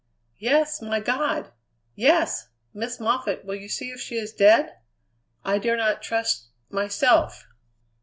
"Yes; my God! Yes! Miss Moffatt, will you see if she is dead? I dare not trust myself."